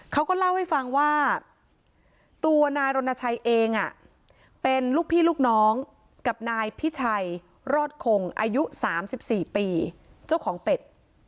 เขาก็เล่าให้ฟังว่าตัวนายรณชัยเองเป็นลูกพี่ลูกน้องกับนายพิชัยรอดคงอายุ๓๔ปีเจ้าของเป็ด